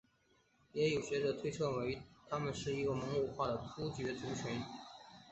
也有学者推测他们是一个蒙古化的突厥族群。